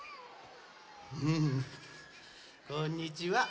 こんにちは。